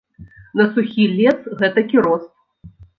На сухі лес гэтакі рост.